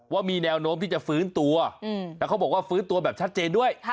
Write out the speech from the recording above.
ว่ามีแนวโน้มที่จะฟื้นตัวแล้วเขาบอกว่าฟื้นตัวแบบชัดเจนด้วย